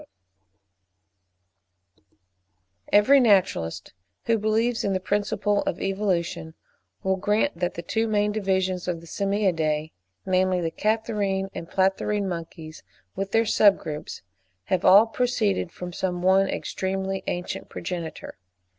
Every naturalist, who believes in the principle of evolution, will grant that the two main divisions of the Simiadae, namely the Catarrhine and Platyrrhine monkeys, with their sub groups, have all proceeded from some one extremely ancient progenitor.